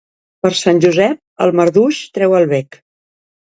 Per Sant Josep, el marduix treu el bec.